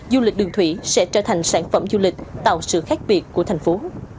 du lịch đường thủy sẽ trở thành sản phẩm du lịch tạo sự khác biệt của thành phố